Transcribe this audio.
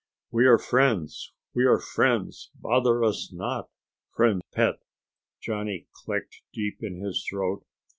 "We are friends. We are friends. Bother us not, friend pet!" Johnny clicked deep in his throat.